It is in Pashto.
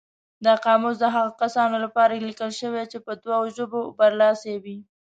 دا قاموس د هغو کسانو لپاره لیکل شوی چې په دوو ژبو برلاسي وي.